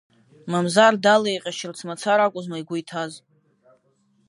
Мамзар далеиҟьашьырц мацара акәызма игәы иҭаз?